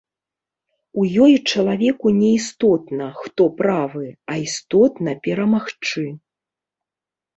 У ёй чалавеку не істотна, хто правы, а істотна перамагчы.